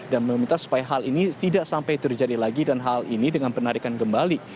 dan meminta supaya hal ini tidak sampai terjadi lagi dan hal ini dengan penarikan kembali